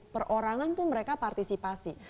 perorangan pun mereka partisipasi